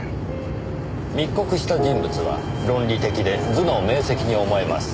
密告した人物は論理的で頭脳明晰に思えます。